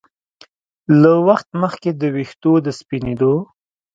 له وخت مخکې د ویښتو د سپینېدو